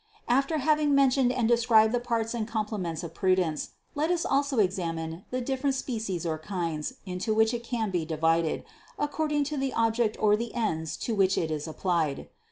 546. After having mentioned and described the parts and complements of prudence, let us also examine the dif ferent species or kinds, into which it can be divided, ac cording to the object or the ends to which it is applied.